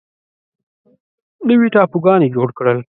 نوي ټاپوګانو یې جوړ کړل.